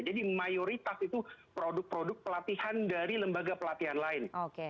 jadi mayoritas itu produk produk pelatihan dari lembaga pelatihan lain